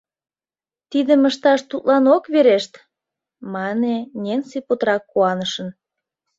— Тидым ышташ тудлан ок верешт! — мане Ненси путырак куанышын.